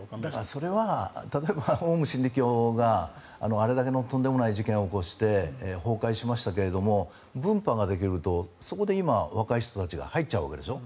それは例えば、オウム真理教があれだけのとんでもない事件を起こして崩壊しましたけれども分派ができるとそこで今、若い人たちが入っちゃうわけでしょ。